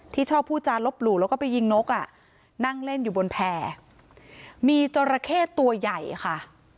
ที่ชอบพูดจารบหลู่แล้วก็ไปยิงนกอ่ะนั่งเล่นอยู่บนแผ่มีจราเข้ตัวใหญ่ค่ะ